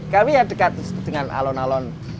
kami yang dekat dengan alon alon